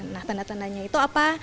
nah tanda tandanya itu apa